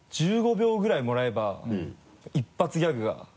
１５秒ぐらいもらえば一発ギャグが。